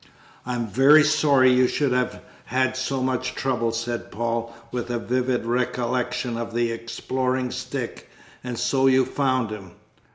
"I am very sorry you should have had so much trouble," said Paul, with a vivid recollection of the exploring stick; "and so you found him?"